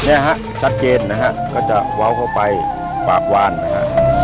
เนี่ยฮะชัดเจนนะฮะก็จะเว้าเข้าไปปากวานนะฮะ